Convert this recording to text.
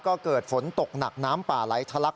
ก็เกิดฝนตกหนักน้ำป่าไหลทะลัก